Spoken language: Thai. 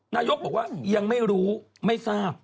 นายกบอกว่ายังไม่รู้ไม่ทราบ